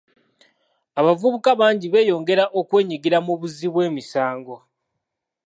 Abavubuka bangi beyongera okwenyigira mu buzzi bw'emisango.